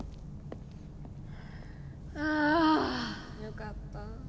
あよかった。